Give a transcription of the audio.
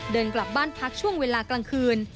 เดินกลับบ้านพักช่วงเวลากลางคืน